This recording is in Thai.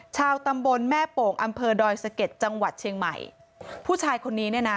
ชาวตำบลแม่โป่งอำเภอดอยสะเก็ดจังหวัดเชียงใหม่ผู้ชายคนนี้เนี่ยนะ